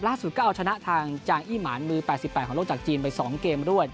ล่าสุดก็เอาชนะทางจางอี้หมานมือแปดสิบแปดของโลกจากจีนไปสองเกมรวด